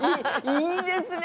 いいですね！